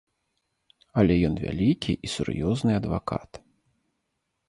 Але ён вялікі і сур'ёзны адвакат.